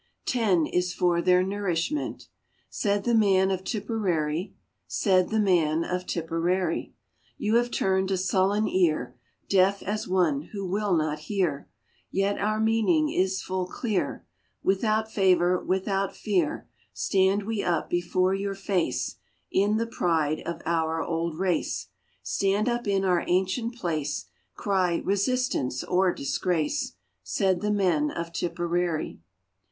— Ten is for their nourishment," Said the man of Tipperary. Said the man of Tipperary : "You have turned a sullen ear, Deaf as one who will not hear, Yet our meaning is full clear : Without favour, without fear Stand we up before your face In the pride of our old race, Stand up in our ancient place, " Cry c resistance or disgrace !'" Said the men of Tipperary.